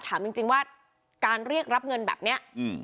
ถามจริงว่าการเรียกรับเงินแบบนี้